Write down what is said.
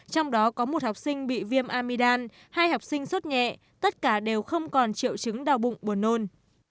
trong đó có một học sinh bị viêm amidam hai học sinh suốt nhẹ tất cả đều không còn triệu chứng đau bụng buồn nôn